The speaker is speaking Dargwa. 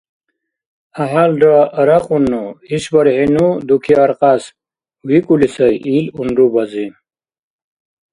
— ГӀяхӀялра арякьунну, ишбархӀи ну дуки аркьяс, — викӀули сай ил унрубази.